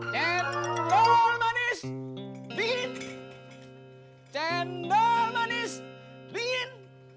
cendol manis dingin